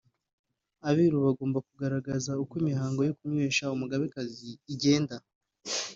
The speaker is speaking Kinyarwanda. Abiru bagombaga kugaragaza uko imihango yo kunywesha umugabekazi igenda